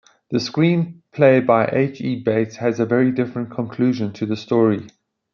The screenplay by H. E. Bates has a very different conclusion to the story.